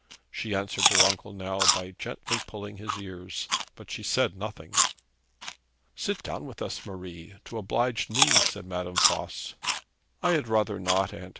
She answered her uncle now by gently pulling his ears, but she said nothing. 'Sit down with us, Marie, to oblige me,' said Madame Voss. 'I had rather not, aunt.